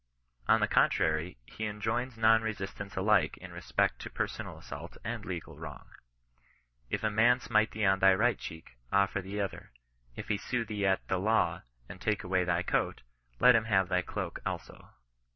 On the con trary, he enjoins non resistance alike in respect to per sonal assault and legal wrong. Jf a man smite thee on thy right cheek, offer the other. If he sue thee at the law and take away thy coat, let him have thy doak also.